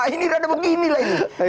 ini rada begini lah ini